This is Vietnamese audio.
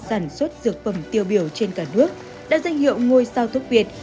sản xuất dược phẩm tiêu biểu trên cả nước đã danh hiệu ngôi sao thuốc việt